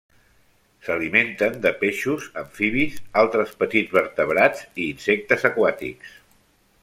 S'alimenten de peixos, amfibis, altres petits vertebrats i insectes aquàtics.